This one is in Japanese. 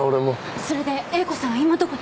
それで英子さんは今どこに？